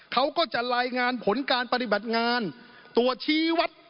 เขาก็จะรายงานผลการปฏิบัติงานตรวจชี้วัด